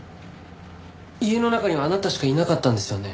家の中にはあなたしかいなかったんですよね？